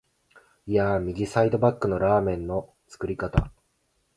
いーや、右サイドバックのラーメンの啜り方！